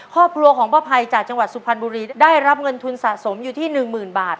ครอบครัวของป้าภัยจากจังหวัดสุพรรณบุรีได้รับเงินทุนสะสมอยู่ที่หนึ่งหมื่นบาท